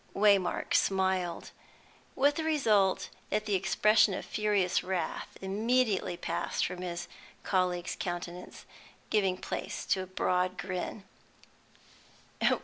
'" Waymark smiled, with the result that the expression of furious wrath immediately passed from his colleague's countenance, giving place to a broad grin.